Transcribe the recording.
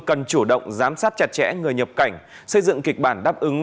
cần chủ động giám sát chặt chẽ người nhập cảnh xây dựng kịch bản đáp ứng